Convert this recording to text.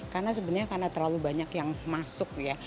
karena sebenarnya karena terlalu banyak yang masuk ya